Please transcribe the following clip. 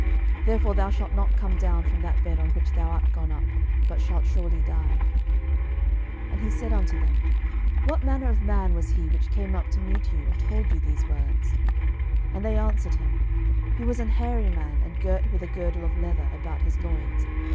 therefore thou shalt not come down from that bed on which thou art gone up, but shalt surely die. 12:001:007 And he said unto them, What manner of man was he which came up to meet you, and told you these words? 12:001:008 And they answered him, He was an hairy man, and girt with a girdle of leather about his loins.